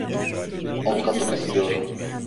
Avukatımı istiyorum!